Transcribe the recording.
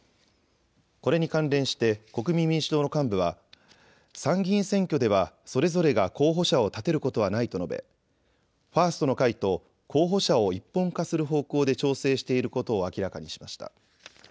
これに関連して国民民主党の幹部は参議院選挙ではそれぞれが候補者を立てることはないと述べファーストの会と候補者を一本化する方向で調整していることを明らかにしました。